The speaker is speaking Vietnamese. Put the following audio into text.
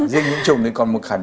riêng nhiễm trùng còn một khẳng